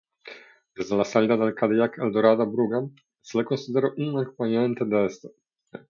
Desde la salida del Cadillac Eldorado Brougham, se le consideró un acompañante de este.